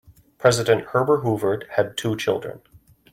President Herbert Hoover had two children.